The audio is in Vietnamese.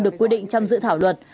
được quy định trong dự thảo luật